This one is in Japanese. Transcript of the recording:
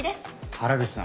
原口さん。